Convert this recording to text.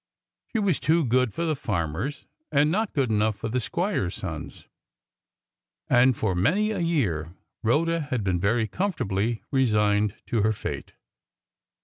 She was too good for the farmers, and not good enough for the squires' sons. And for many a year Rhoda had been very comfortably resigned to her fate.